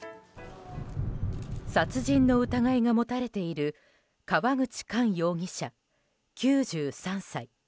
殺人の疑いが持たれている川口寛容疑者、９３歳。